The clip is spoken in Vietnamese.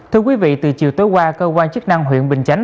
thưa quý vị từ chiều tối qua cơ quan chức năng huyện bình chánh